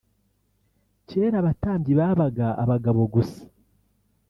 Kera abatambyi babaga abagabo gusa